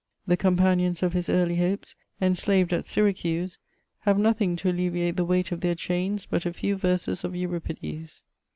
The companions of his early hopes, enslaved at Syracuse, have nothing to alleviate the weight of their chains but a few verses of Euripides.